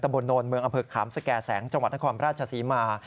บนโนนเมืองอำเภอขามสแก่แสงจังหวัดนครราชศรีมา